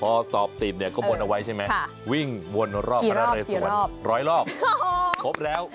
พอสอบติดเนี่ยก็วนเอาไว้ใช่ไหมวิ่งวนรอบพระนเรสวนร้อยรอบครบแล้ว